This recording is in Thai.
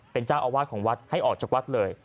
เป็นเจ้าอาวาสของวัดให้ออกจากวัดเลย